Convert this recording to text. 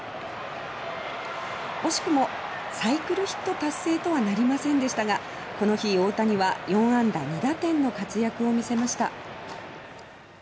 惜しくもサイクルヒット達成とはなりませんでしたがこの日大谷は４安打２打点の活躍を見せました。